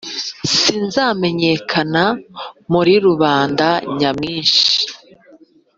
Sinzamenyekana muri rubanda nyamwinshi,